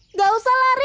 nggak usah lari